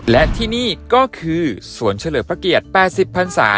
และที่นี่ก็คือสวนเฉลิมพระเกียรติ๘๐พันศา